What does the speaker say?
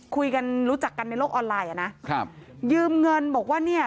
คุยกันรู้จักกันในโลกออนไลน์อ่ะนะครับยืมเงินบอกว่าเนี่ย